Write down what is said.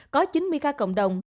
có chín mươi ca cộng đồng